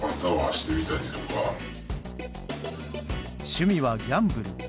趣味はギャンブル。